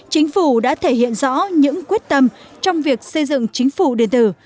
chính phủ đã thể hiện rõ những quyết tâm trong việc xây dựng chính phủ điện tử